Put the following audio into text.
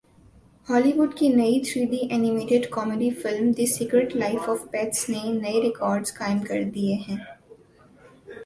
ہالی وڈ کی نئی three D animated comedy film the secret life of pets نے نئے ریکارڈز قائم کر دیے ہیں